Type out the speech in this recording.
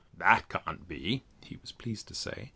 That can't be, he was pleased to say.